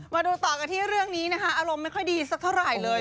มาดูต่อกันที่เรื่องนี้นะคะอารมณ์ไม่ค่อยดีสักเท่าไหร่เลย